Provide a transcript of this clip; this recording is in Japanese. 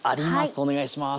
お願いします。